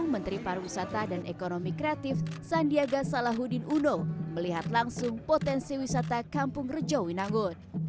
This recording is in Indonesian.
menteri pariwisata dan ekonomi kreatif sandiaga salahuddin uno melihat langsung potensi wisata kampung rejowinangun